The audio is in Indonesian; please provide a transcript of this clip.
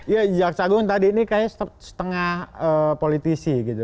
ya jaksa agung tadi ini kayaknya setengah politisi gitu